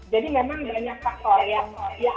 jadi memang banyak faktor yang